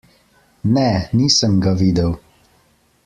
Ne, nisem ga videl.